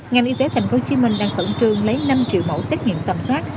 nghệ y tế tp hcm đang phận trường lấy năm triệu mẫu xét nghiệm tầm soát